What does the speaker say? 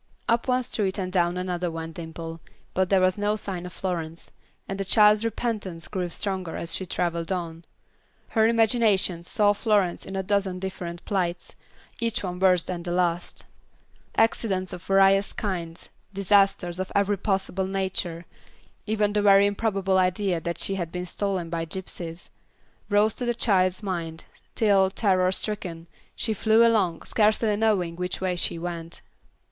Up one street and down another went Dimple, but there was no sign of Florence, and the child's repentance grew stronger as she traveled on. Her imagination saw Florence in a dozen different plights, each one worse than the last. Accidents of various kinds, disasters of every possible nature, even the very improbable idea that she had been stolen by gypsies, rose to the child's mind, till, terror stricken, she flew along, scarcely knowing which way she went.